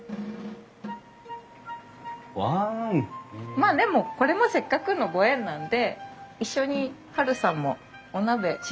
まあでもこれもせっかくのご縁なんで一緒にハルさんもお鍋試食会に参加しません？